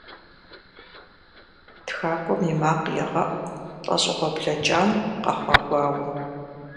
ТхакӀуэм и макъ егъэӀу лӀэщӀыгъуэ блэкӀам къэхъуа гуауэм.